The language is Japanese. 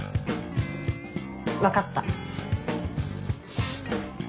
分かった。